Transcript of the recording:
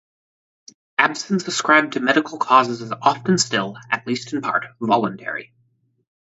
Absence ascribed to medical causes is often still, at least in part, voluntary.